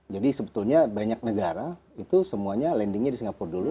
jadi sebetulnya banyak negara itu semuanya landingnya di singapura dulu